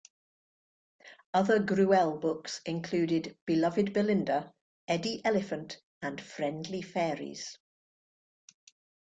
Other Gruelle books included "Beloved Belinda", "Eddie Elephant", and "Friendly Fairies".